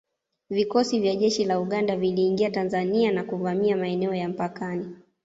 Vikosi vya jeshi la Uganda viliingia Tanzania na kuvamia maeneo ya mpakani